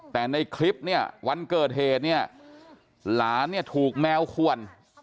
แต่ในคลิปเนี่ยวันเกิดเหตุเนี่ยหลานเนี่ยถูกแมวขวน